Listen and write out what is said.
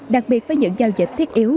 đặc biệt với những giao dịch thiết yếu